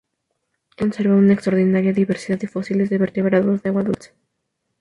El parque conserva una extraordinaria diversidad de fósiles de vertebrados de agua dulce.